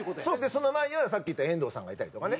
その前にはさっき言った遠藤さんがいたりとかね。